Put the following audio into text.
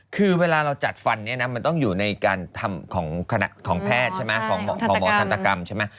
คือเวลาเราจัดฟันมันต้องอยู่ในการทำของแพทย์ของหมอทันตกรรม